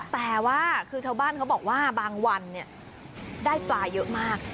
แต่ว่าคือชาวบ้านเขาบอกว่าบางวันได้ปลาเยอะมาก